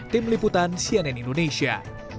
tim liputan cnn indonesia